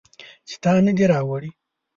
چې تا نه دي راوړي